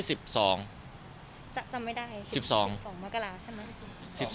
จับจำไม่ได้๑๒